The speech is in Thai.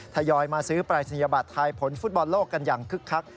ทยอยมาซื้อปรายศนียบัตรไทยผลฟุตบอลโลกกันอย่างคึกคัก